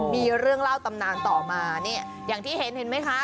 มีเรื่องเล่าตำนานต่อมาเนี่ยอย่างที่เห็นเห็นไหมคะ